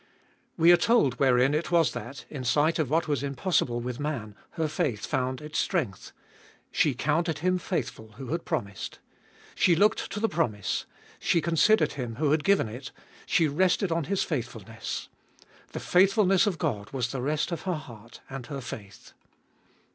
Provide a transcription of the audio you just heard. We are told wherein it was that, in sight of what was impos sible with man, her faith found its strength : she counted Him faithful who had promised. She looked to the promise ; she considered Him who had given it ; she rested on His faithful ness. The faithfulness of God was the rest of her heart and her faith.